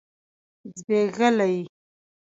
ځبيښلي